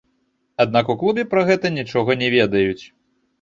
Аднак у клубе пра гэта нічога не ведаюць!